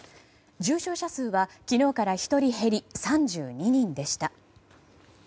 重症者数は昨日から１人減り３２人でした。